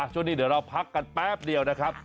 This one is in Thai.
ช่วงนี้เดี๋ยวเราพักกันแป๊บเดียวนะครับ